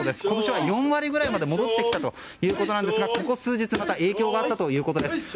今年は４割ぐらいまで戻ってきたということなんですがここ数日また影響があったということです。